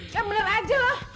ya bener aja loh